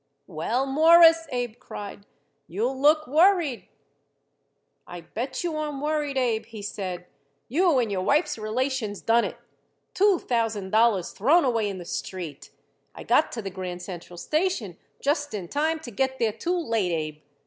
"Well, Mawruss," Abe cried, "you look worried." "I bet you I'm worried, Abe," he said. "You and your wife's relations done it. Two thousand dollars thrown away in the street. I got to the Grand Central Station just in time to get there too late, Abe.